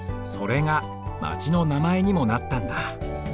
それがマチのなまえにもなったんだ